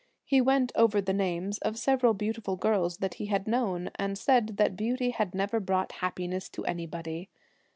He went over the names 48 of several beautiful girls that he had 'Dust hath known, and said that beauty had never Helen's brought happiness to anybody.